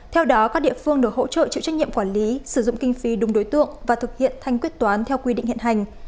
theo đó các địa phương được hỗ trợ chịu trách nhiệm quản lý sử dụng kinh phí đúng đối tượng và thực hiện thanh quyết toán theo quy định hiện hành